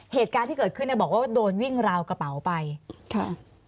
เหตุการณ์ที่เกิดขึ้นเนี่ยบอกว่าโดนวิ่งราวกระเป๋าไปค่ะ